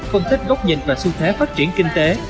phân tích góc nhìn và xu thế phát triển kinh tế